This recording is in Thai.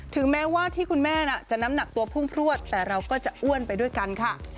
ถึงแม้ว่าที่คุณแม่จะน้ำหนักตัวพุ่งพลวดแต่เราก็จะอ้วนไปด้วยกันค่ะ